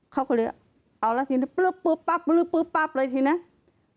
เขาก็เลยเอาแล้วทีนี้ปลื้บปลื้บปั๊บปลื้บปลื้บปั๊บเลยทีนี้